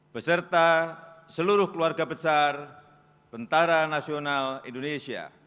beserta seluruh keluarga besar tentara nasional indonesia